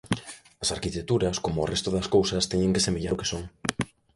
As arquitecturas como o resto das cousas teñen que semellar o que son.